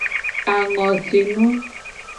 Angosinu.